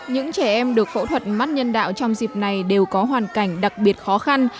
những trẻ em được phẫu thuật mắt nhân đạo trong dịp này đều có hoàn cảnh đặc biệt khó khăn